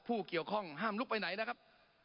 ผู้เกี่ยวข้องห้ามลุกไปไหนนะครับ